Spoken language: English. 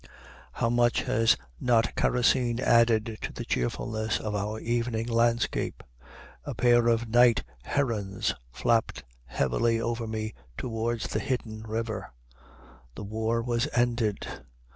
How much has not kerosene added to the cheerfulness of our evening landscape! A pair of night herons flapped heavily over me toward the hidden river. The war was ended.